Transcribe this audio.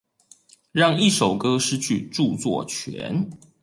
讓一首歌失去著作權